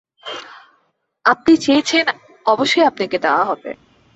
আপনি চেয়েছেন, অবশ্যই আপনাকে দেয়া হবে।